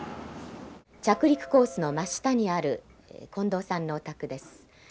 着陸コースの真下にある近藤さんのお宅です。